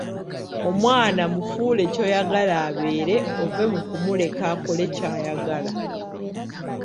Omwana mufuule kyoyagala abeere ove mukumuleka akole ky'ayagala.